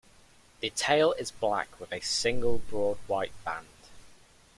The tail is black with a single broad white band.